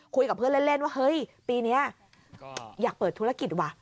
คุยกับเพื่อนเล่นว่าเฮ้ยปีนี้อยากเปิดธุรกิจว่ะ